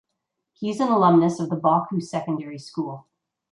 He is an alumnus of the Bawku Secondary School.